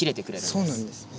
そうなんですね。